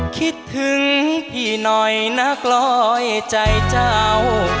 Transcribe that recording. คิดถึงพี่หน่อยนักร้อยใจเจ้า